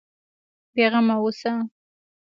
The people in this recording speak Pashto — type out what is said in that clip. بېغمه اوسه.